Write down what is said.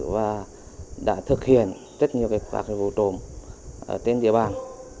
và đã thực hiện rất nhiều các vụ trộm ở tên địa bàn